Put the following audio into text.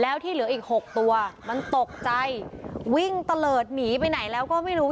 แล้วที่เหลืออีกหกตัวมันตกใจวิ่งตะเลิศหนีไปไหนแล้วก็ไม่รู้